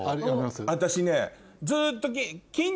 私ねずっと。